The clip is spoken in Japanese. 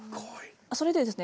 それでですね